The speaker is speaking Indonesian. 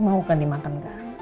mau kan dimakan